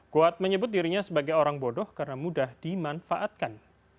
kuat menyebut dirinya sebagai orang bodoh karena mudah dimanfaatkan